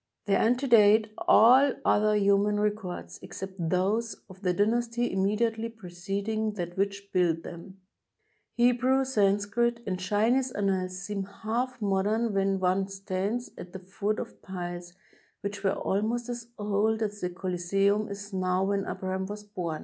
They antedate all other human records, except those of the dynasty immediately preceding that which built them. Hebrew, Sanskrit, and Chinese annals seem half mod em when one stands at the foot of piles which were al most as old as the Coliseimi is now when Abraham was bom.